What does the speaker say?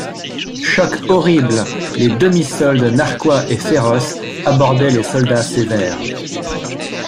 Choc horrible, les demi-soldes narquois et féroces abordaient les soldats sévères.